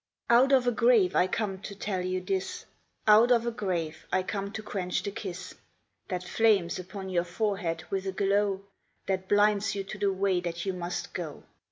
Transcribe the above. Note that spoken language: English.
Out of a grave I come to tell you this, Out of a grave I come to quench the kiss That flames upon your forehead with a glow That blinds you to the way that you must go.